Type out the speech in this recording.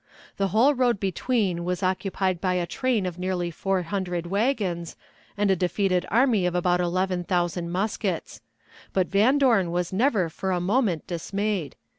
The whole road between was occupied by a train of nearly four hundred wagons, and a defeated army of about eleven thousand muskets. But Van Dorn was never for a moment dismayed.